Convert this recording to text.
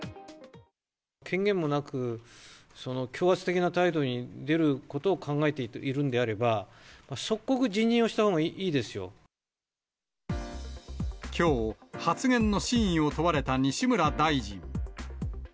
権限もなく、強圧的な態度に出ることを考えているんであれば、きょう、発言の真意を問われた西村大臣。